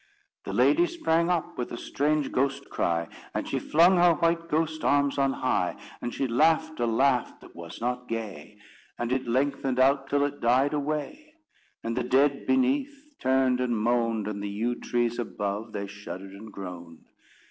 The lady sprang up with a strange ghost cry, And she flung her white ghost arms on high: And she laughed a laugh that was not gay, And it lengthened out till it died away; And the dead beneath turned and moaned, And the yew trees above they shuddered and groaned.